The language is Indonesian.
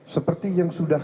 seperti yang sudah